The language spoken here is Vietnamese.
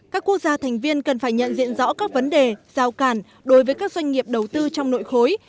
các quốc gia thành viên cần phải nhận diện rõ các vấn đề giao cản đối với các doanh nghiệp đầu tư trong nội khối